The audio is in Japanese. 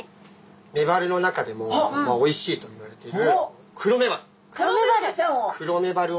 メバルの中でもおいしいといわれているクロメバル！